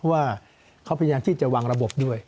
ว่าเขาพยายามที่จะวางระบบด้วย